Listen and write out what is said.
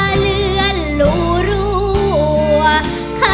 อ่า